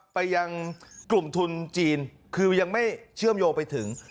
ไปยังกลุ่มทุนจีนคือยังไม่เชื่อมโยงไปถึง